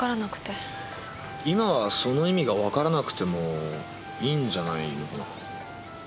今はその意味がわからなくてもいいんじゃないのかな。